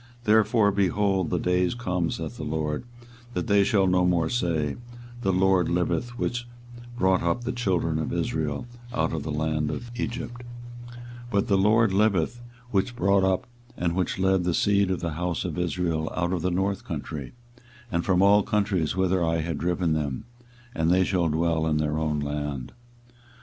24:023:007 Therefore, behold, the days come, saith the LORD, that they shall no more say, The LORD liveth, which brought up the children of Israel out of the land of Egypt; 24:023:008 But, The LORD liveth, which brought up and which led the seed of the house of Israel out of the north country, and from all countries whither I had driven them; and they shall dwell in their own land.